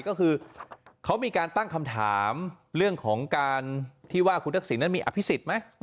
ก็คือเขามีการตั้งคำถามเรื่องของการที่ว่าคุณทักษิณนั้นมีอภิษฎไหม